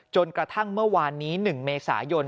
จนกระทั่งเมื่อวานนี้๑เมษายน